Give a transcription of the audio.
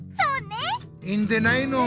いいんでないの！